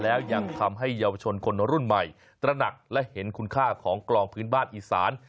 แล้วยังทำให้เยาวชนคนรุ่นใหม่ตระหนักและเห็นคุณค่าของกลองพื้นบ้านอีสาน